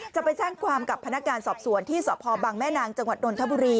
จะไปแจ้งความกับพนักงานสอบสวนที่สพบังแม่นางจังหวัดนทบุรี